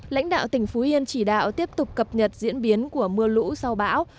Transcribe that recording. lãnh đạo tỉnh phú yên chỉ đạo tiếp tục cập nhật diễn biến của mưa lũ sau bão